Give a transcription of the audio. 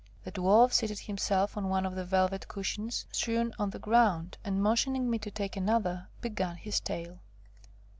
The Dwarf seated himself on one of the velvet cushions strewn on the ground, and motioning me to take another, began his tale.